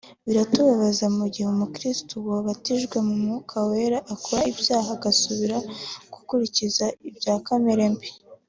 Biratubabaza mu gihe umukiristo wabatijwe mu Mwuka Wera akora ibyaha agasubira gukurikiza ibya kamere mbi